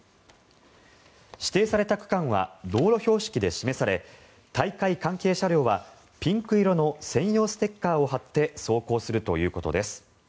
指定された区間は道路標識で示され大会関係車両は、ピンク色の専用ステッカーを貼って走行するということです。